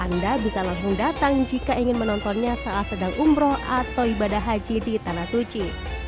anda bisa langsung datang jika ingin menontonnya saat sedang umroh atau ibadah haji di tanah suci